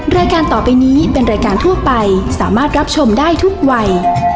รายการต่อไปนี้เป็นรายการทั่วไปสามารถรับชมได้ทุกวัย